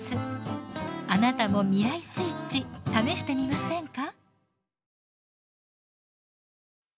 あなたも未来スイッチ試してみませんか？